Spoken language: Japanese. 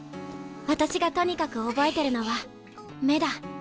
私がとにかく覚えてるのは目だ。